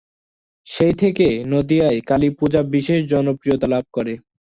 সেই থেকে নদিয়ায় কালীপূজা বিশেষ জনপ্রিয়তা লাভ করে।